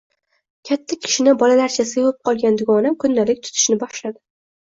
Katta kishini bolalarcha sevib qolgan dugonam kundalik tutishni boshladi